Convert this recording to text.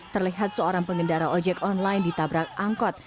terlihat seorang pengendara ojek online ditabrak angkot